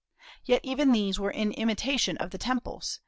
Yet even these were in imitation of the temples.